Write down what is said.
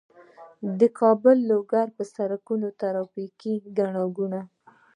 د کابل- لوګر په سړک ترافیکي ګڼه ګوڼه